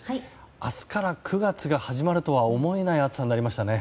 明日から９月が始まるとは思えない暑さになりましたね。